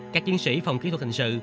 các chiến sĩ phòng kỹ thuật hành sự